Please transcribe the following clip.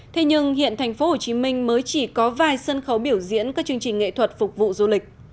thế nhưng hiện thành phố hồ chí minh mới chỉ có vài sân khấu biểu diễn các chương trình nghệ thuật phục vụ du lịch